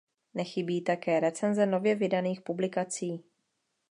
Nechybí také recenze nově vydaných publikací.